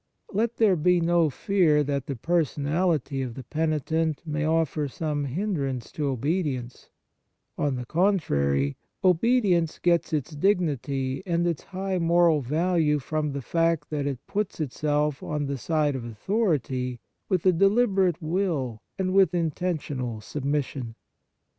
Let there be no fear that the personality of the penitent may offer some hin drance to obedience ; on the contrary, obedience gets its dignity and its high moral value from the fact that it puts itself on the side of authority with a deliberate will and with inten tional submission.